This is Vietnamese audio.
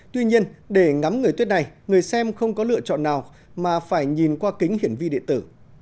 tuy nhiên để ngắm người tuyết này người xem không có lựa chọn nào mà phải nhìn qua kính hiển vi điện tử